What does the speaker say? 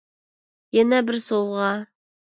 يەنە بىر سوۋغا.